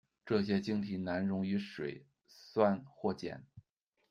这些晶体难溶于水、酸或碱。